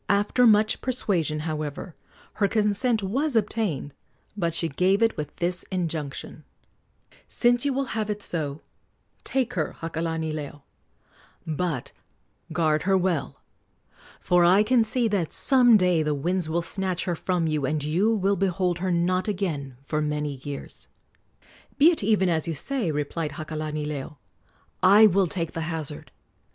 After much persuasion, however, her consent was obtained; but she gave it with this injunction: "Since you will have it so, take her, Hakalanileo; but guard her well, for I can see that some day the winds will snatch her from you, and you will behold her not again for many years." "Be it even as you say," replied Hakalanileo, "I will take the hazard.